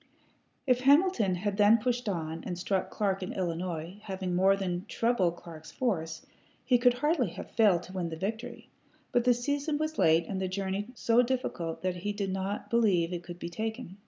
If Hamilton had then pushed on and struck Clark in Illinois, having more than treble Clark's force, he could hardly have failed to win the victory; but the season was late and the journey so difficult that he did not believe it could be taken.